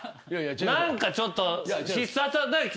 何かちょっと必殺。